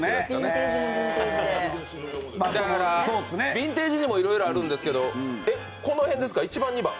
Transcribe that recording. ビンテージにもいろいろあるんですけどこの辺ですか、１番、２番？